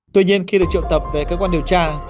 tuy nhiên khi được triệu tập về cơ quan điều tra